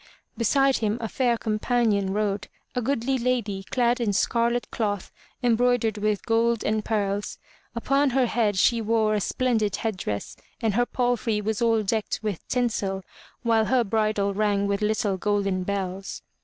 Beside him a fair com panion rode, a goodly lady clad in scarlet cloth embroidered with gold and pearls. Upon her head she wore a splendid headdress and her palfrey was all decked with tinsel, while her bridle rang with little golden bells.